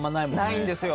ないんですよ。